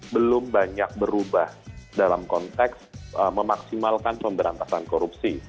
belum banyak berubah dalam konteks memaksimalkan pemberantasan korupsi